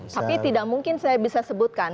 tapi tidak mungkin saya bisa sebutkan